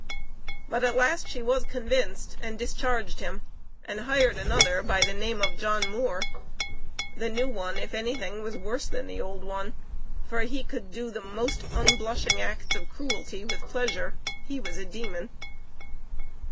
But at last she was convinced, and discharged him, and hired another by the name of John Moore. The new one, if anything, was worse than the old one, for he could do the most unblushing acts of cruelty with pleasure. He was a demon."